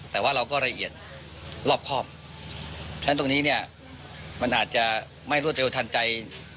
แต่ว่าเราก็ละเอียดรอบครอบฉะนั้นตรงนี้เนี่ยมันอาจจะไม่รวดเร็วทันใจ